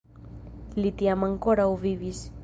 Li tiam ankoraŭ vivis.